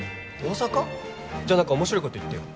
じゃあ何か面白いこと言ってよ。